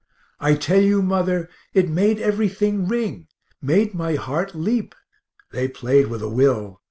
I tell you, mother, it made everything ring made my heart leap. They played with a will.